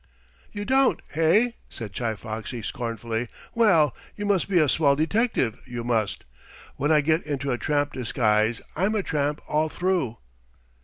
"You don't, hey?" said Chi Foxy scornfully. "Well, you must be a swell detective, you must. When I get into a tramp disguise I'm a tramp all through."